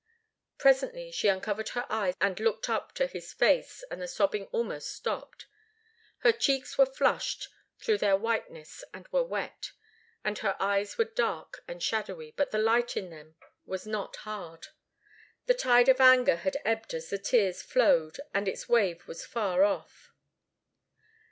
Presently she uncovered her eyes and looked up to his face, and the sobbing almost stopped. Her cheeks were flushed through their whiteness and were wet, and her eyes were dark and shadowy, but the light in them was not hard. The tide of anger had ebbed as the tears flowed, and its wave was far off.